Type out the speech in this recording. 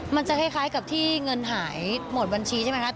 มันจะคล้ายกับที่เงินหายหมดบัญชีใช่ไหมคะ